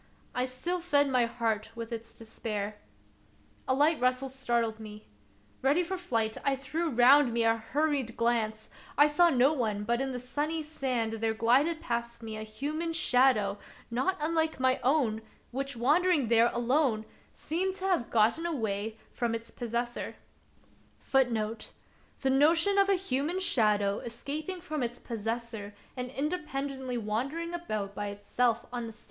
I still fed my heart with its despair. A light rustle startled me. Ready for flight, I threw round me a hurried glance; I saw no one, but in the sunny sand there glided past me a human shadow, not unlike my own, which, wandering there alone,^ seemed to have got away from 1 The notion of a human shadow escaping from its possessor and independently wandering about by itself on the sunny sand is 66 The Wonderful History its possessor.